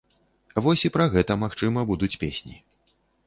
Вось і пра гэта, магчыма, будуць песні.